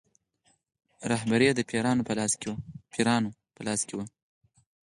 رهبري یې د پیرانو په لاس کې وه.